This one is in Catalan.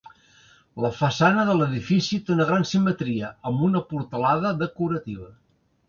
La façana de l'edifici té una gran simetria, amb una portalada decorativa.